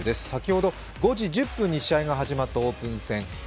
先ほど５時１０分に試合が始まったオープン戦。